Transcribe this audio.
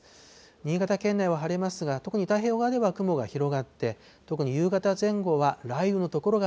新潟県内は晴れますが、特に太平洋側では雲が広がって、特に夕方前後は雷雨の所が。